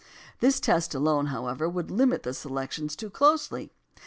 This test alone, however, would limit the selections too closely.